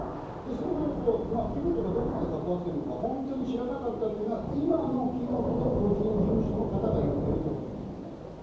木本がどこまで関わってるのか、本当に知らなかったのか、今の木本の個人事務所の方が言っているということですもんね。